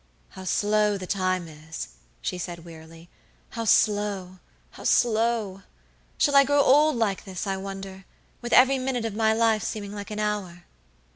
"How slow the time is," she said, wearily; "how slow, how slow! Shall I grow old like this, I wonder, with every minute of my life seeming like an hour?"